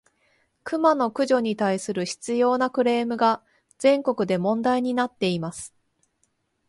クマの駆除に対する執拗（しつよう）なクレームが、全国で問題になっています。